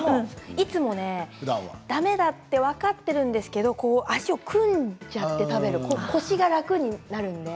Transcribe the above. いつも、だめだと分かっているんですけれど脚を組んじゃって食べる腰が楽になるので。